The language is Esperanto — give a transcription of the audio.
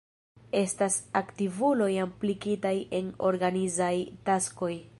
Estas aktivuloj implikitaj en organizaj taskoj.